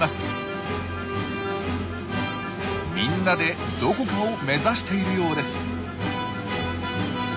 みんなでどこかを目指しているようです。